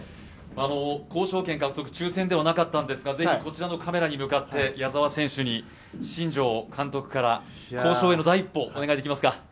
交渉権獲得、抽選ではなかったんですが、ぜひこちらのカメラに向かって矢澤選手に新庄監督から交渉への第一歩をお願いできますか。